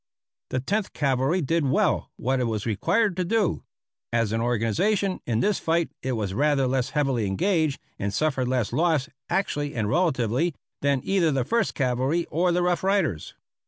The Tenth Cavalry did well what it was required to do; as an organization, in this fight, it was rather less heavily engaged, and suffered less loss, actually and relatively, than either the First Cavalry or the Rough Riders.